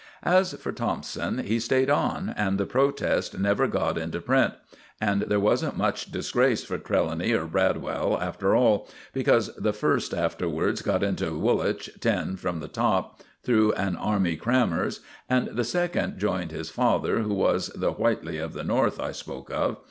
As for Thompson, he stayed on, and the protest never got into print; and there wasn't much disgrace for Trelawny or Bradwell after all, because the first afterwards got into Woolwich ten from the top, through an army crammer's, and the second joined his father, who was the Whiteley of the North I spoke of.